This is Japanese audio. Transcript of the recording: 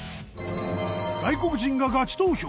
外国人がガチ投票！